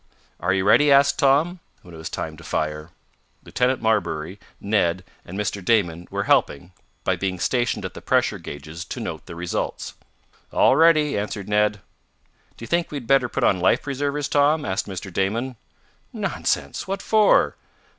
"Are you ready?" asked Tom, when it was time to fire. Lieutenant Marbury, Ned and Mr. Damon were helping, by being stationed at the pressure gauges to note the results. "All ready," answered Ned. "Do you think we'd better put on life preservers, Tom?" asked Mr. Damon. "Nonsense! What for?"